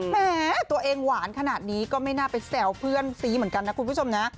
แม้ตัวเองหวานขนาดนี้ก็ไม่น่าไปแซวเพื่อนซี้เหมือนกันนะคุณผู้ชมนะ